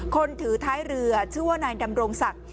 คนถือท้ายเรือชื่อว่านายดำรงศักดิ์